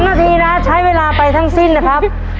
นาทีนะใช้เวลาไปทั้งสิ้นนะครับ